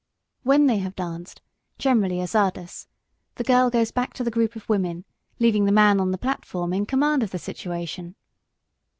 When they have danced, generally a czardas, the girl goes back to the group of women, leaving the man on the platform in command of the situation!